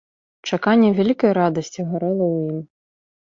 Чаканне вялікай радасці гарэла ў ім.